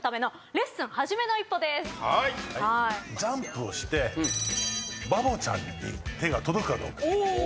ジャンプをしてバボちゃんに手が届くかどうか。